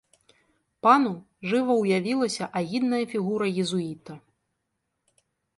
Пану жыва ўявілася агідная фігура езуіта.